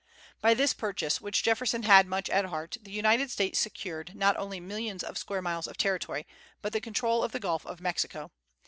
By this purchase, which Jefferson had much at heart, the United States secured, not only millions of square miles of territory, but the control of the Gulf of Mexico.